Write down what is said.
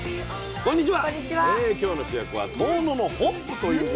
こんにちは。